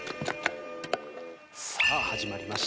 さあ始まりました。